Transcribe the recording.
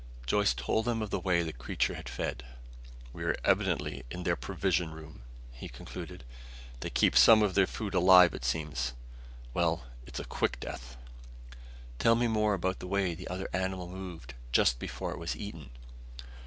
Joyce told him of the way the creature had fed. "We are evidently in their provision room," he concluded. "They keep some of their food alive, it seems.... Well, it's a quick death." "Tell me more about the way the other animal moved, just before it was eaten."